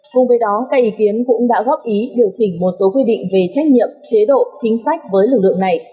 cùng với đó các ý kiến cũng đã góp ý điều chỉnh một số quy định về trách nhiệm chế độ chính sách với lực lượng này